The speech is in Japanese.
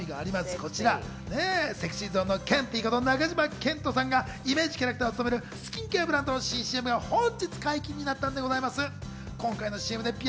こちら、ＳｅｘｙＺｏｎｅのケンティーこと、中島健人さんがイメージキャラクターを務めるスキンケアブランドの新ＣＭが本日解禁になったんでございます。